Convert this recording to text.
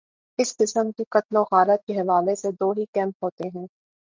اس قسم کی قتل وغارت کے حوالے سے دو ہی کیمپ ہوتے ہیں۔